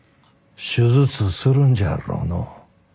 手術するんじゃろうの？